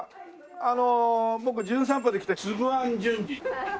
あの僕『じゅん散歩』で来た粒あん純次。